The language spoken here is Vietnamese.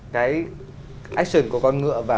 cái action của con ngựa và